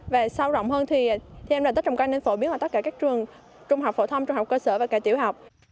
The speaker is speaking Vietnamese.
và sau rộng hơn thì em nói tết trồng cây nên phổ biến vào tất cả các trường trung học phổ thông trung học cơ sở và cả tiểu học